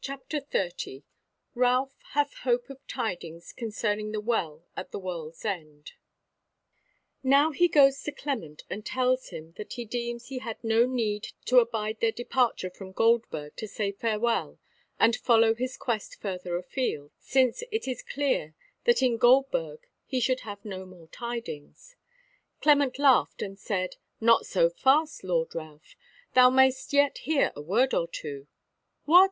CHAPTER 30 Ralph Hath Hope of Tidings Concerning the Well at the World's End Now he goes to Clement, and tells him that he deems he has no need to abide their departure from Goldburg to say farewell and follow his quest further afield; since it is clear that in Goldburg he should have no more tidings. Clement laughed and said: "Not so fast, Lord Ralph; thou mayst yet hear a word or two." "What!"